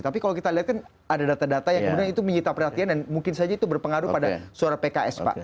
tapi kalau kita lihat kan ada data data yang kemudian itu menyita perhatian dan mungkin saja itu berpengaruh pada suara pks pak